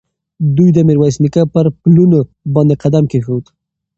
دوی د میرویس نیکه پر پلونو باندې قدم کېښود.